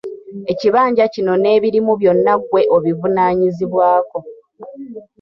Ekibanja kino n'ebirimu byonna ggwe obivunaanyizibwako.